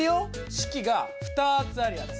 式が２つあるやつ。